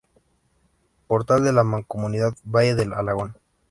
Portal de la Mancomunidad Valle del Alagón